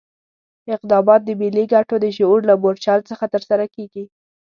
اقدامات د ملي ګټو د شعور له مورچل څخه ترسره کېږي.